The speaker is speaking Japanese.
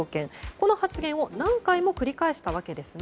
この発言を何回も繰り返したわけですね。